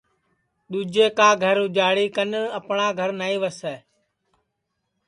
دُؔوجیں کا گھر اُجاڑی کن اپٹؔاں گھر نائیں وسے